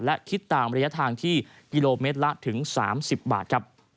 และคิดตามระยะทางที่กิโลเมตรละถึง๓๐บาทครับ